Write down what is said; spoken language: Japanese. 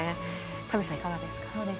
田口さん、いかがですか？